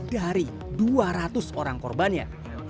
dari dua ratus orang korbannya